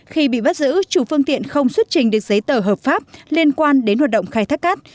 khi bị bắt giữ chủ phương tiện không xuất trình được giấy tờ hợp pháp liên quan đến hoạt động khai thác cát